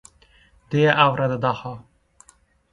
— deya avradi Daho.